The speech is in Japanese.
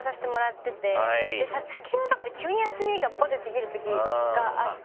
撮休とかで急に休みがバって出来るときがあって。